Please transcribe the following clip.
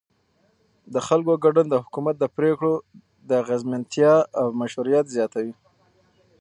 د خلکو ګډون د حکومت د پرېکړو د اغیزمنتیا او مشروعیت زیاتوي